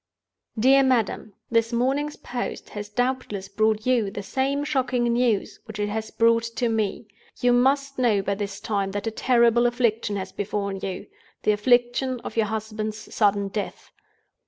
"DEAR MADAM, "This morning's post has doubtless brought you the same shocking news which it has brought to me. You must know by this time that a terrible affliction has befallen you—the affliction of your husband's sudden death.